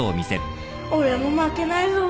俺も負けないぞ